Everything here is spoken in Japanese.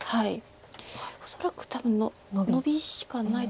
恐らく多分ノビしかないと。